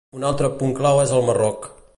Un altre punt clau és el Marroc.